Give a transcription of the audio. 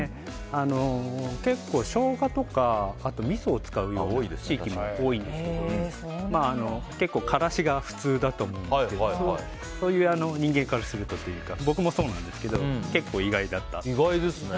結構、ショウガとかみそとかを使う地域も多いんですけど結構、からしが普通だと思うんですけどそういう人間からするとというか僕もそうなんですけど結構、意外だったんです。